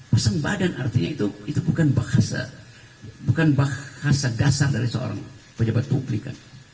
pasang badan artinya itu bukan bahasa dasar dari seorang pejabat publik